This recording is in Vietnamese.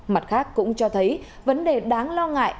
mặt khác cũng cho thấy vấn đề đáng lo ngại